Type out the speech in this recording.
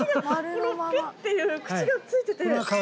このピュっていう口がついてて。